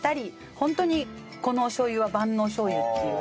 ホントにこのおしょう油は万能しょう油っていう。